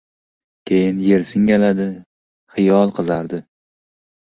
Keyin, yer singaladi. Xiyol qizardi.